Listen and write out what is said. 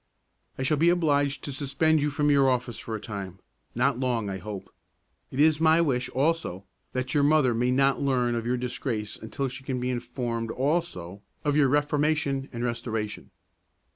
"I shall be obliged to suspend you from your office for a time; not long, I hope. It is my wish, also, that your mother may not learn of your disgrace until she can be informed also of your reformation and restoration."